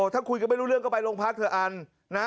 ถ้าคุยกันไม่รู้เรื่องก็ไปโรงพักเถอะอันนะ